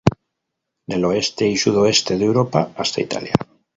Del oeste y sudoeste de Europa hasta Italia.